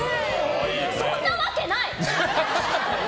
そんなわけない！